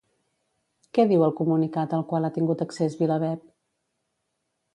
Què diu el comunicat al qual ha tingut accés VilaWeb?